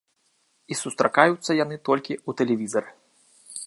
І сустракаюцца яны толькі ў тэлевізары.